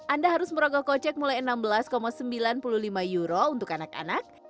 anda harus merogoh kocek mulai enam belas sembilan puluh lima euro untuk anak anak